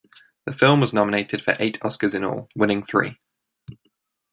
The film was nominated for eight Oscars in all, winning three.